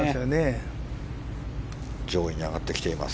上位に上がってきています。